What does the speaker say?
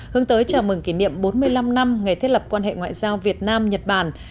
hướng tới chào mừng kỷ niệm bốn mươi năm năm ngày thiết lập quan hệ ngoại giao việt nam nhật bản